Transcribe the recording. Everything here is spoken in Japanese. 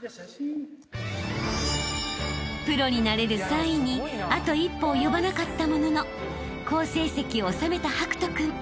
［プロになれる３位にあと一歩及ばなかったものの好成績を収めた博仁君］